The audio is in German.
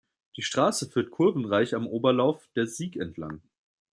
Die Straße führt kurvenreich am Oberlauf der Sieg entlang.